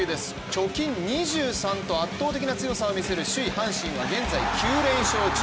貯金２３と圧倒的な強さを見せる首位・阪神は現在９連勝中。